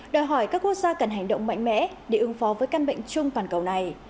đòi hỏi các quốc gia cần hành động mạnh mẽ để ứng phó với căn bệnh chung toàn cầu này